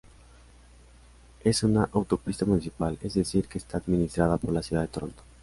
Es una autopista municipal, es decir, que está administrada por la ciudad de Toronto.